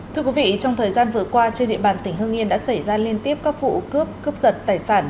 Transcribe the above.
thưa quý vị trong thời gian vừa qua trên địa bàn tỉnh hương yên đã xảy ra liên tiếp các vụ cướp cướp giật tài sản